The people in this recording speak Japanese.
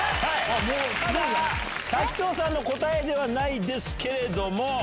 ただ滝藤さんの答えではないですけれども。